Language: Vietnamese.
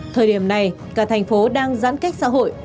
thời điểm này cả thành phố đang giãn cách xã hội